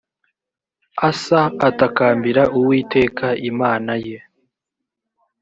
asa atakambira uwiteka imana ye